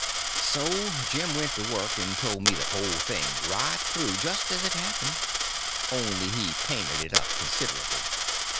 So Jim went to work and told me the whole thing right through, just as it happened, only he painted it up considerable.